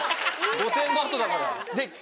５０００円の後だから。